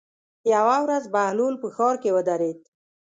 یوه ورځ بهلول په ښار کې ودرېد.